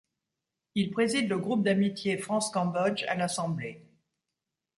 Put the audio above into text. Il préside le groupe d'amitié France - Cambodge à l'assemblée.